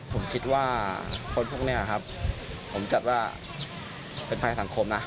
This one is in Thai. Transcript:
ผมคิดว่าคนพวกนี้ครับผมจัดว่าเป็นภัยสังคมนะ